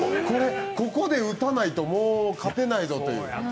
ここで打たないともう勝てないだろうという。